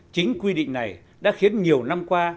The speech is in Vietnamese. chính quy định này đã khiến nhiều năm qua